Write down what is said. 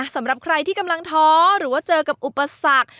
สำหรับใครที่กำลังท้อหรือว่าเจอกับอุปสรรค